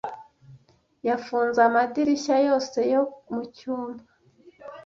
Yafunze amadirishya yose yo mucyumba.